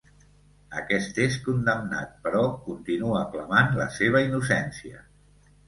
Aquest és condemnat però continua clamant la seva innocència.